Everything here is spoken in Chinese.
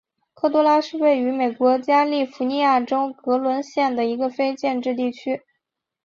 科多拉是位于美国加利福尼亚州格伦县的一个非建制地区。